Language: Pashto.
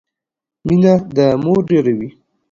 مينه د مور ډيره وي